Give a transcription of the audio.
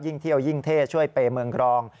เที่ยวยิ่งเท่ช่วยเปย์เมืองกรอง